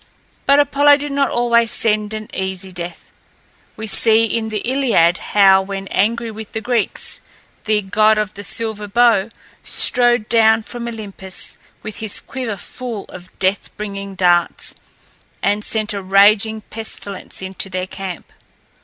But Apollo did not always send an easy death. We see in the Iliad how, when angry with the Greeks, the "god of the silver bow" strode down from Olympus, with his quiver full of death bringing darts, and sent a raging pestilence into their camp.